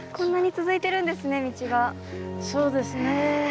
そうですね。